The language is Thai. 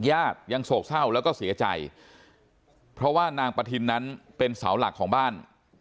ญาติยังโศกเศร้าแล้วก็เสียใจเพราะว่านางปฐินนั้นเป็นเสาหลักของบ้าน